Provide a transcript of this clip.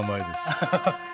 アハハハ。